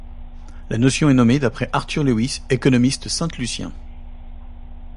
La notion est nommée d'après Arthur Lewis, économiste sainte-lucien.